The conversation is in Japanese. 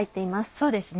そうですね